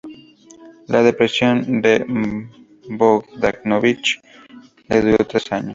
La depresión de Bogdanovich le duró tres años.